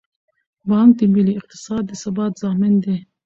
بانک د ملي اقتصاد د ثبات ضامن دی.